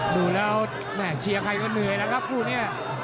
ดูแล้วเชียร์ใครก็เหนื่อยนะครับครูเนี่ย